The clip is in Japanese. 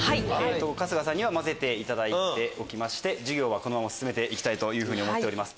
春日さんには混ぜていただいておきまして授業はこのまま進めて行きたいと思っております。